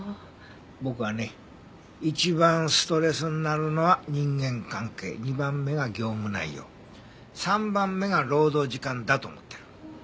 僕はね一番ストレスになるのは人間関係２番目が業務内容３番目が労働時間だと思ってる。